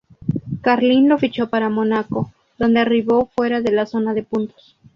Carlin lo fichó para Mónaco, donde arribó fuera de la zona de puntos.